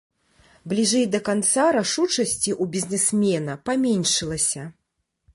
Бліжэй да канца рашучасці у бізнесмена паменшылася.